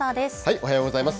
おはようございます。